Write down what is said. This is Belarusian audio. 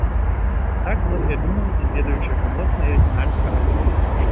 Так многія думаюць, ведаючы яго моцны і арыгінальны характар.